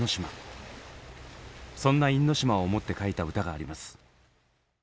そんな因島を思って書いた歌があります。